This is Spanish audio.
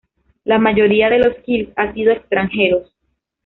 La mayoría de los heels han sido extranjeros.